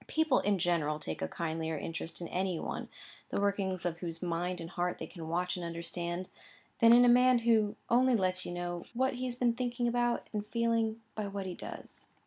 People, in general, take a kindlier interest in any one, the workings of whose mind and heart they can watch and understand, than in a man who only lets you know what he has been thinking about and feeling, by what he does.